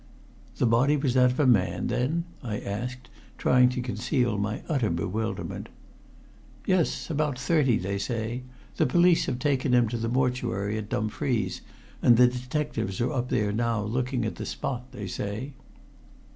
"The body was that of a man, then?" I asked, trying to conceal my utter bewilderment. "Yes about thirty, they say. The police have taken him to the mortuary at Dumfries, and the detectives are up there now looking at the spot, they say."